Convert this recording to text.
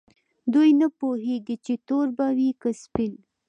دوی نه پوهیږي چې تور به وي که سپین.